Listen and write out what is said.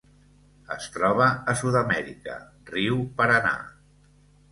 Es troba a Sud-amèrica: riu Paranà.